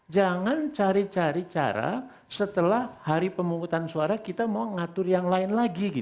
jangan cari cari cara setelah hari pemungutan suara kita mau ngatur yang lain lagi